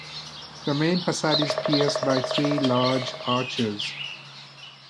The main facade is pierced by three large arches.